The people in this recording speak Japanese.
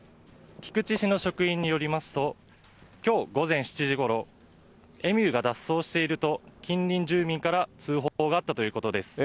菊池市の職員によりますと、きょう午前７時ごろ、エミューが脱走していると、近隣住民から通報があったということです。